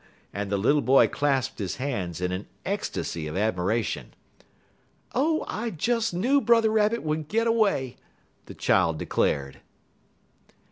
and the little boy clasped his hands in an ecstasy of admiration. "Oh, I just knew Brother Rabbit would get away," the child declared.